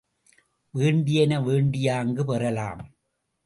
வேண்டியன வேண்டியாங்கு பெறலாம்.